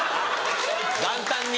元旦に？